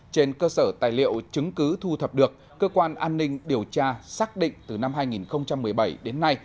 trên cơ sở tài liệu chứng cứ thu thập được cơ quan an ninh điều tra xác định từ năm hai nghìn một mươi bảy đến nay